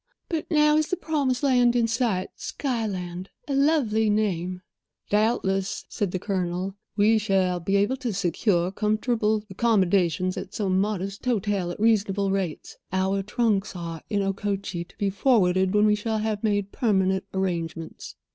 But now is the promised land in sight. Skyland!—a lovely name." "Doubtless," said the Colonel, "we shall be able to secure comfortable accommodations at some modest hotel at reasonable rates. Our trunks are in Okochee, to be forwarded when we shall have made permanent arrangements."